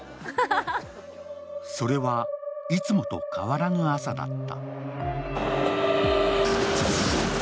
それはいつもと変わらぬ朝だった。